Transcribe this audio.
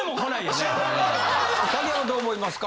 竹山どう思いますか？